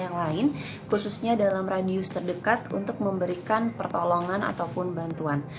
dan juga ada pengguna yang lain khususnya dalam radius terdekat untuk memberikan pertolongan ataupun bantuan